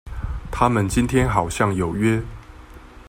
他們今天好像有約